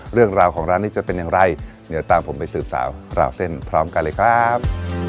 เรื่องราวของร้านนี้จะเป็นอย่างไรเดี๋ยวตามผมไปสืบสาวราวเส้นพร้อมกันเลยครับ